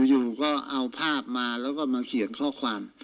อยู่ก็เอาภาพมาแล้วก็มาเขียนข้อความ